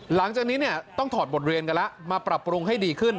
หลังจากนี้เนี่ยต้องถอดบทเรียนกันแล้วมาปรับปรุงให้ดีขึ้น